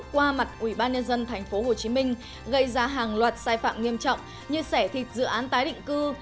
qua mặt ủy ban nhân dân tp hcm gây ra hàng loạt sai phạm nghiêm trọng như sẻ thịt dự án tái định cư